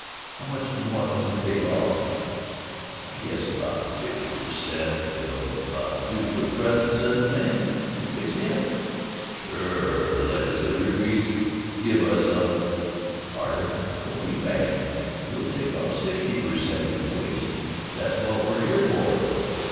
How much do you want us to take off?" "I guess about fifty per cent will about do for the present," says the man. "Can you fix me up?" "Sure," the Legislature agrees. "Give us somethin', 'New York City Is Pie for the Hayseeds,' try harder, don't be bashful. We'll take off sixty per. cent. if you wish. That's what we're here for."